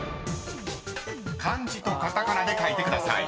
［漢字とカタカナで書いてください］